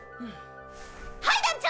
はい団長！